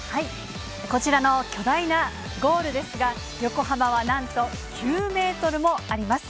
こちらの巨大なゴールですが、横幅はなんと９メートルもあります。